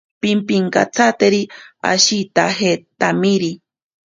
Pimpinkatsateri ashitajetamiri.